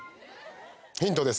ヒントです